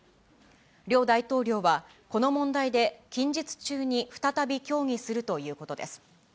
両大統領は、この問題で近日中に再び協議するということです。